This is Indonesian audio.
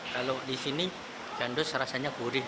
kalau di sini jandus rasanya gurih